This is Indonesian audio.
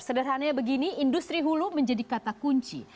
sederhananya begini industri hulu menjadi kata kunci